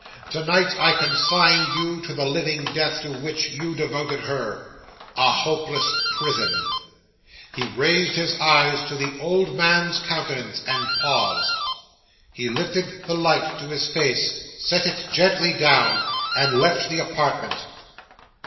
"To night I consign you to the living death to which you devoted her a hopeless prison " 'He raised his eyes to the old man's countenance, and paused. He lifted the light to his face, set it gently down, and left the apartment.